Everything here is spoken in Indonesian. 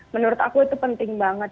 menurut aku itu penting banget